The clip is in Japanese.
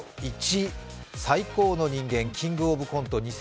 １位、最高の人間「キングオブコント２０２２」